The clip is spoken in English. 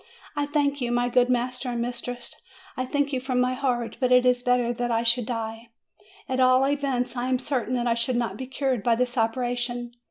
I thank you, my good master and mistress ; I thank you from my heart. But it is better that I should die. At all events, I am cer tain that I should not be cured by this operation.